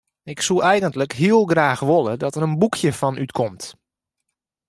Ik soe eigentlik heel graach wolle dat der in boekje fan útkomt.